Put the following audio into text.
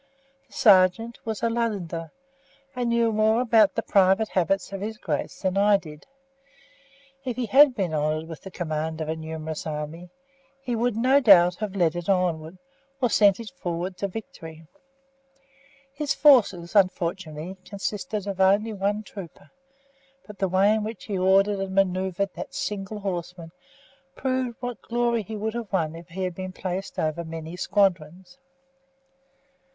The sergeant was a Londoner, and knew more about the private habits of his Grace than I did. If he had been honoured with the command of a numerous army, he would, no doubt, have led it onward, or sent it forward to victory. His forces, unfortunately, consisted of only one trooper, but the way in which he ordered and manoeuvred that single horseman proved what glory he would have won if he had been placed over many squadrons.